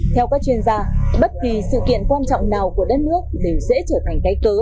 theo các chuyên gia bất kỳ sự kiện quan trọng nào của đất nước đều sẽ trở thành cái cớ